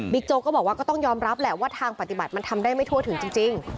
โจ๊กก็บอกว่าก็ต้องยอมรับแหละว่าทางปฏิบัติมันทำได้ไม่ทั่วถึงจริง